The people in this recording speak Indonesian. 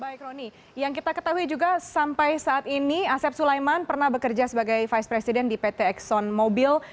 baik roni yang kita ketahui juga sampai saat ini asep sulaiman pernah bekerja sebagai vice president di pt exxon mobil